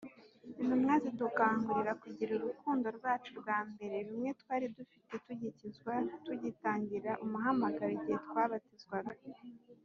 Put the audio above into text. Intumwa zidukangurira kugira urukundo rwacu rwambere rumwe twari dufite tugikizwa tugitangira umuhamagaro igihe twabatizwaga.